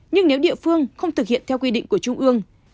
nhưng nếu địa phương không thực hiện theo quy định của trung ương